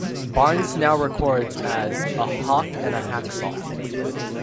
Barnes now records as A Hawk and a Hacksaw.